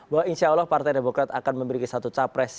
bahwa insya allah partai demokrat akan memiliki satu capres